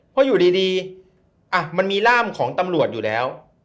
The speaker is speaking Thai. เพราะอยู่ดีมันมีร่ามของตำรวจอยู่แล้ว